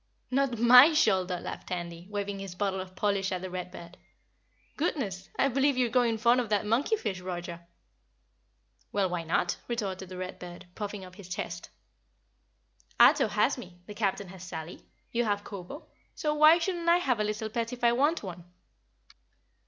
"Not MY shoulder," laughed Tandy, waving his bottle of polish at the Read Bird. "Goodness, I believe you're growing fond of that monkey fish, Roger." "Well, why not?" retorted the Read Bird, puffing up his chest. "Ato has me, the Captain has Sally, you have Kobo, so why shouldn't I have a little pet if I want one?"